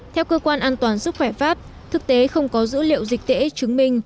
theo cơ quan an toàn sức khỏe pháp thực tế không có dữ liệu dịch tễ chứng minh